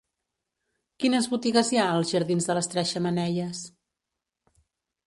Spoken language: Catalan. Quines botigues hi ha als jardins de les Tres Xemeneies?